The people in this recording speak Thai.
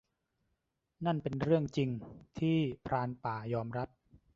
นั่นเป็นเรื่องจริง ที่ พรานป่า ยอมรับ